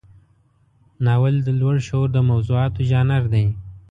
ناول د لوړ شعور د موضوعاتو ژانر دی.